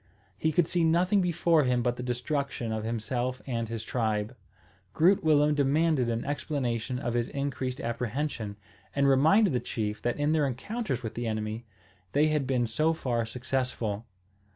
He could see nothing before him but the destruction of himself and his tribe. Groot Willem demanded an explanation of his increased apprehension, and reminded the chief that in their encounters with the enemy they had been so far successful.